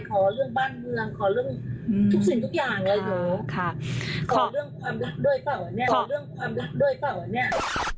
ขอเรื่องบ้านเมืองขอเรื่องทุกสิ่งทุกอย่างเลยขอเรื่องความรักด้วยเปล่าหรอเนี่ย